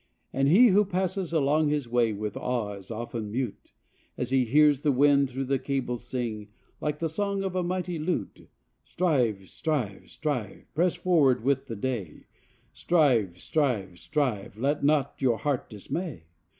And he who passes along his way With awe is often mute, As he hears the wind through the cables sing Like the song of a mighty lute — "Strive, strive, strive, Press forward with the day, Strive, strive, strive, Let naught your heart dismay."